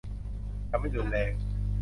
จะไม่รุนแรง